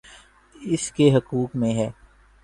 اس کے حق میں ہے۔